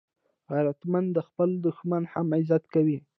غیرتمند د خپل دښمن هم عزت کوي